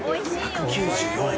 １９４円。